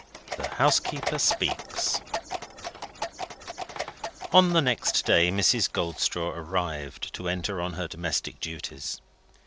THE HOUSEKEEPER SPEAKS On the next day Mrs. Goldstraw arrived, to enter on her domestic duties.